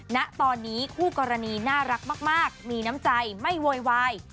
ณตอนนี้คู่กรณีน่ารักมากมีน้ำใจไม่โวยวาย